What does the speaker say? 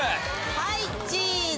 ・はいチーズ！